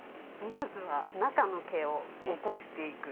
まずは中の毛を起こしていく。